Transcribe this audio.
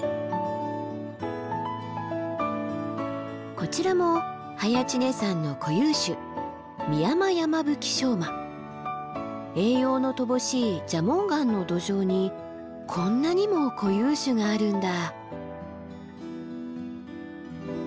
こちらも早池峰山の固有種栄養の乏しい蛇紋岩の土壌にこんなにも固有種があるんだ。